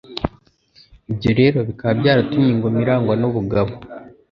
Ibyo rero bikaba byaratumye Ingoma irangwa n'ubugabo,